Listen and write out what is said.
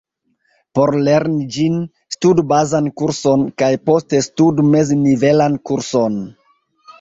Por lerni ĝin, studu bazan kurson kaj poste studu mez-nivelan kurson.